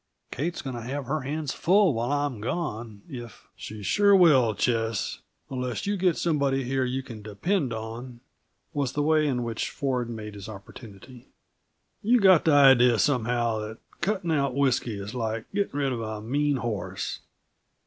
Kate's going to have her hands full while I'm gone, if " "She sure will, Ches, unless you get somebody here you can depend on," was the way in which Ford made his opportunity. "You've got the idea, somehow, that cutting out whisky is like getting rid of a mean horse.